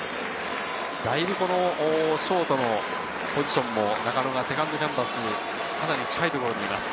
だいぶショートのポジションも、中野がセカンドキャンバスにかなり近いところにいます。